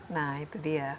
nah itu dia